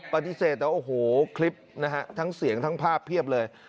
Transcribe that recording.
ปฏิเสธแต่โอ้โหคลิปนะฮะทั้งเสียงทั้งภาพเพียบเลย